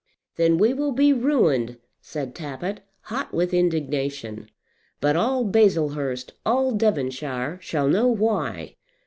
"Then we will be ruined," said Tappitt, hot with indignation; "but all Baslehurst, all Devonshire shall know why."